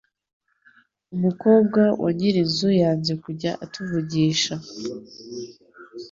umukobwa wa nyirinzu yanze kujya atuvugisha